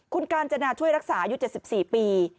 คุณกาญจนาช่วยรักษาอายุ๗๔ปี